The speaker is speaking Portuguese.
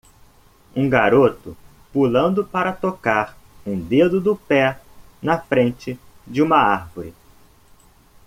Um garoto pulando para tocar um dedo do pé na frente de uma árvore.